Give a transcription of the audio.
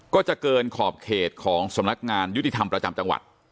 ก็จะเกินขอบเขตของสำนักงานยุติธรรมประจำจังหวัด